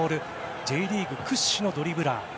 Ｊリーグ屈指のドリブラー。